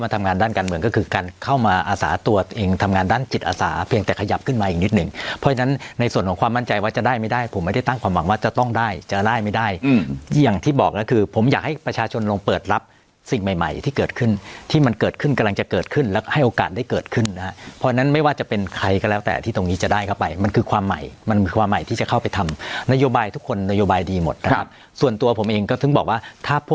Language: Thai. เพราะฉะนั้นในส่วนของความมั่นใจว่าจะได้ไม่ได้ผมไม่ได้ตั้งความหวังว่าจะต้องได้จะได้ไม่ได้อืมอย่างที่บอกแล้วคือผมอยากให้ประชาชนลงเปิดรับสิ่งใหม่ใหม่ที่เกิดขึ้นที่มันเกิดขึ้นกำลังจะเกิดขึ้นแล้วให้โอกาสได้เกิดขึ้นฮะเพราะฉะนั้นไม่ว่าจะเป็นใครก็แล้วแต่ที่ตรงนี้จะได้เข้าไปมันคือคว